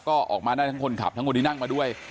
ก็ออกมาได้ทั้งคนขับทั้งคนที่นั่งมาด้วย